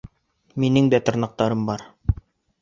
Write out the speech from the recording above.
Минең дә тырнаҡтарым бар.